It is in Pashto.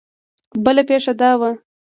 بله پېښه دا وه.